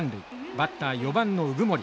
バッター４番の鵜久森。